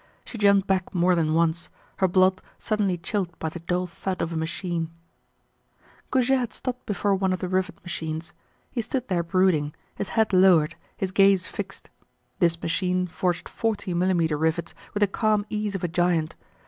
She jumped back more than once, her blood suddenly chilled by the dull thud of a machine. Goujet had stopped before one of the rivet machines. He stood there brooding, his head lowered, his gaze fixed. This machine forged forty millimetre rivets with the calm ease of a giant.